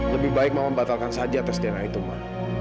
lebih baik mama batalkan saja tes dna itu ma